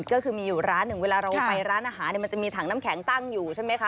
ก็คือมีอยู่ร้านหนึ่งเวลาเราไปร้านอาหารมันจะมีถังน้ำแข็งตั้งอยู่ใช่ไหมคะ